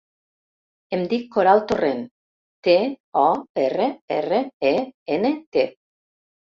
Em dic Coral Torrent: te, o, erra, erra, e, ena, te.